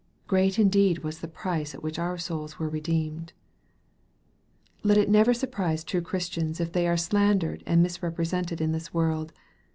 Great indeed was the price at which our souls were redeemed ! Let it never surprise true Christians if they are slandered and misrepresented in this world.